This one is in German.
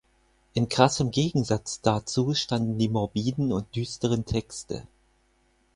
In krassem Gegensatz dazu standen die morbiden und düsteren Texte.